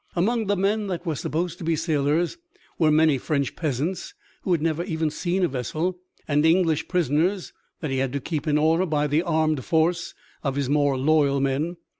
Among the men that were supposed to be sailors were many French peasants who had never even seen a vessel and English prisoners that he had to keep in order by the armed force of his more loyal men.